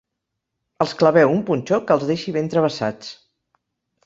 Els claveu un punxó que els deixi ben travessats.